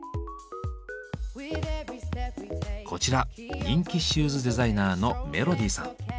こちら人気シューズデザイナーのメロディさん。